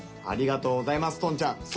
ありがとうございますとんちゃん